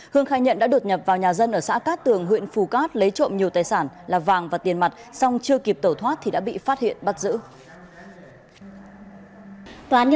hương khai nhận đã đột nhập vào nhà dân ở xã cát tường huyện phù cát lấy trộm nhiều tài sản là vàng và tiền mặt song chưa kịp tẩu thoát thì đã bị phát hiện bắt giữ